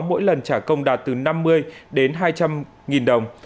mỗi lần trả công đạt từ năm mươi đến hai trăm linh nghìn đồng